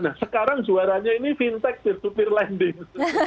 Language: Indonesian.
nah sekarang juaranya ini fintech peer to peer lending